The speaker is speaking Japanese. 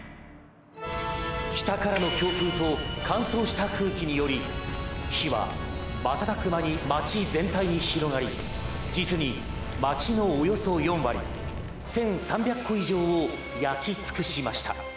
北からの強風と乾燥した空気により火は瞬く間に町全体に広がり実に町のおよそ４割１３００戸以上を焼き尽くしました。